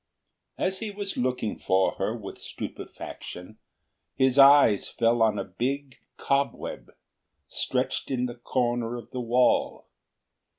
As he was looking for her with stupefaction his eyes fell on a big cobweb, stretched in the corner of the wall.